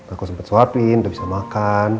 aku sempet suapin udah bisa makan